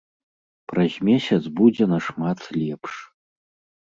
Праз месяц будзе нашмат лепш.